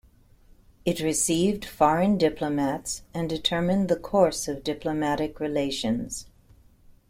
It received foreign diplomats and determined the course of diplomatic relations.